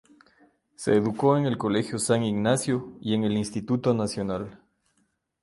Se educó en el Colegio San Ignacio y en el Instituto Nacional.